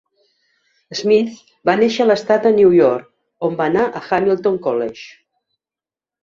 Smith va néixer a l'estat de Nova York, on va anar a Hamilton College.